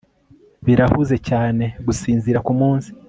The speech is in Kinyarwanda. birahuze cyane gusinzira kumunsi